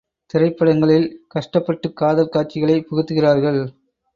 திரைப்படங்களில் கஷ்டப்பட்டுக் காதல் காட்சிகளைப் புகுத்துகிறார்கள்.